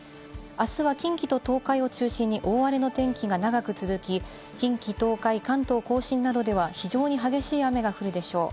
あすは近畿と東海を中心に大荒れの天気が長く続き、近畿、東海、関東甲信などでは非常に激しい雨が降るでしょう。